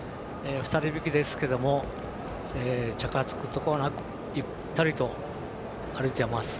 ２人引きですけどもチャカつくことなくゆったりと歩いています。